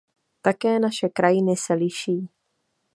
Také naše krajiny se liší.